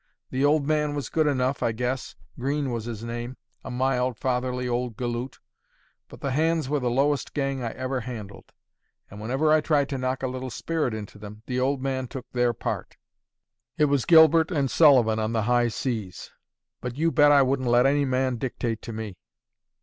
The old man was good enough, I guess; Green was his name; a mild, fatherly old galoot. But the hands were the lowest gang I ever handled; and whenever I tried to knock a little spirit into them, the old man took their part! It was Gilbert and Sullivan on the high seas; but you bet I wouldn't let any man dictate to me.